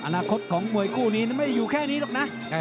อนาคตของมวยคู่นี้ไม่ได้อยู่แค่นี้หรอกนะ